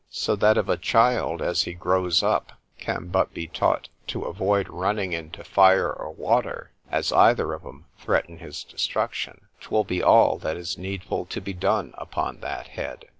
——So that if a child, as he grows up, can but be taught to avoid running into fire or water, as either of 'em threaten his destruction,——'twill be all that is needful to be done upon that head.